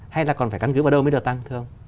hay là còn phải căn cứ vào đâu mới được tăng